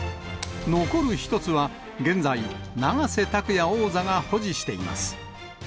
残る１つは現在、永瀬拓矢王座が保持しています。